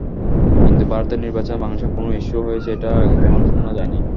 কিন্তু ভারতের নির্বাচনে বাংলাদেশ কোনো ইস্যু হয়েছে, এটা আগে তেমন শোনা যায়নি।